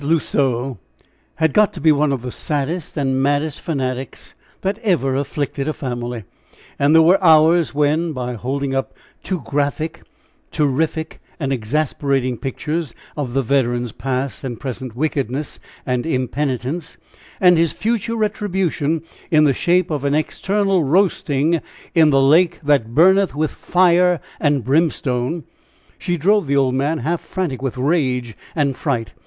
L'Oiseau had got to be one of the saddest and maddest fanatics that ever afflicted a family. And there were hours when, by holding up too graphic, terrific, and exasperating pictures of the veteran's past and present wickedness and impenitence, and his future retribution, in the shape of an external roasting in the lake that burneth with fire and brimstone she drove the old man half frantic with rage and fright!